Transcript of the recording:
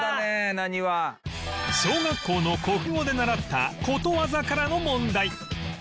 小学校の国語で習ったことわざからの問題